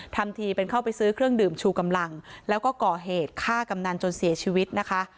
ทำทีเป็นเข้าไปซื้อเครื่องดื่มชูกำลังแล้วก็ก่อเหตุฆ่ากำนันจนเสียชีวิตนะคะ